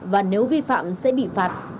và nếu vi phạm sẽ bị phạt